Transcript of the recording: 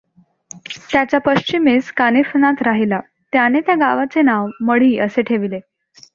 त्याच्या पश्चिमेस कानिफनाथ राहिला; त्यानें त्या गांवाचें नांव मढी असें ठेविलें.